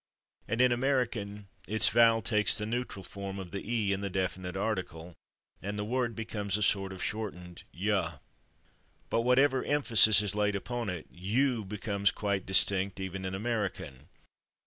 and in American its vowel takes the neutral form of the /e/ in the definite article, and the word becomes a sort of shortened /yuh/. But whenever emphasis is laid upon it, /you/ becomes quite distinct, even in American.